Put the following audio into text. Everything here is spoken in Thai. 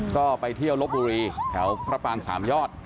ก็ไปเที่ยวลบบุรีแถวพระปางสามยอด